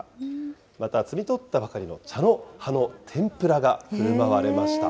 また、摘み取ったばかりの茶の葉の天ぷらがふるまわれました。